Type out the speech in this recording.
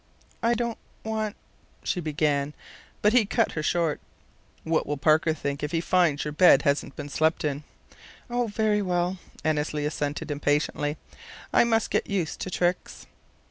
"I don't want " she began; but he cut her short. "What will Parker think if she finds your bed hasn't been slept in?" "Oh, very well!" Annesley assented, impatiently. "I must get used to tricks!"